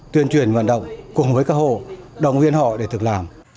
tuyên truyền vận động cùng với các hồ đồng viên họ để thực làm